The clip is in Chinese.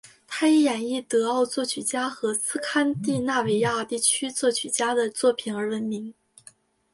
他以演绎德奥作曲家和斯堪的纳维亚地区作曲家的作品而著名。